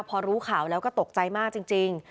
พอรู้ข่าวแล้วก็ตกใจมากจริง